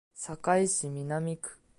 堺市南区